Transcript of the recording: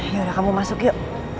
ya udah kamu masuk yuk